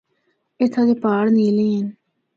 اِتھا دے پہاڑ نیلے ہن۔